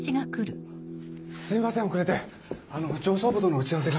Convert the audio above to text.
すいません遅れてあの上層部との打ち合わせが。